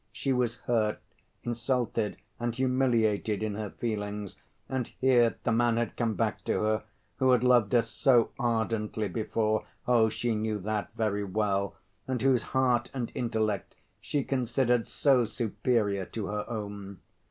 She was hurt, insulted and humiliated in her feelings. And here the man had come back to her, who had loved her so ardently before (oh! she knew that very well), and whose heart and intellect she considered so superior to her own.